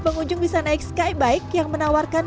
pengunjung bisa naik skybike yang menawarkan